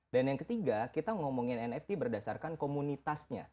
dan yang ketiga kita ngomongin nft berdasarkan komunitasnya